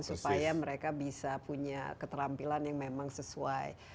supaya mereka bisa punya keterampilan yang memang sesuai